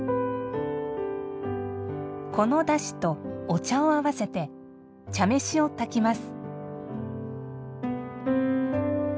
このだしとお茶を合わせて茶飯を炊きます。